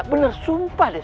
benar sumpah deh